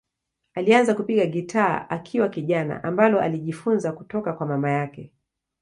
Alianza kupiga gitaa akiwa kijana, ambalo alijifunza kutoka kwa mama yake.